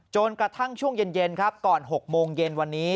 จนกระทั่งช่วงเย็นครับก่อน๖โมงเย็นวันนี้